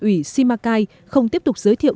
ủy simacai không tiếp tục giới thiệu